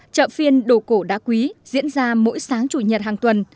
chợ phiên đồ cổ đá quý diễn ra mỗi sáng chủ nhật hàng tuần